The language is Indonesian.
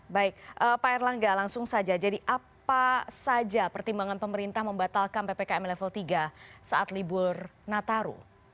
baik pak erlangga langsung saja jadi apa saja pertimbangan pemerintah membatalkan ppkm level tiga saat libur nataru